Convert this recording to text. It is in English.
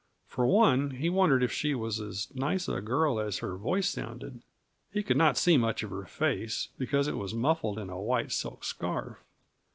For one, he wondered if she were as nice a girl as her voice sounded. He could not see much of her face, because it was muffled in a white silk scarf.